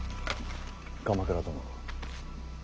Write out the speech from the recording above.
鎌倉殿。